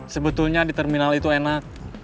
sebetulnya di terminal itu enak